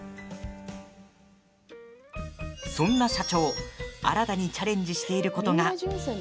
そんな社長、新たにチャレンジしていることが。